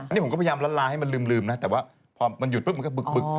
นี่ผมก็พยายามละลายให้มันลืมนะแต่ว่าพอมันหยุดปุ๊บมันก็บึก